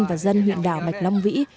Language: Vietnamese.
và dân huyện đảo bạch long vĩ